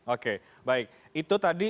oke baik itu tadi